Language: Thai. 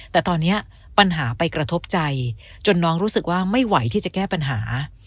แต่ตอนนี้ปัญหาไปกระทบใจจนน้องรู้สึกว่าไม่ไหวที่จะแก้ปัญหา